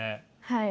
はい。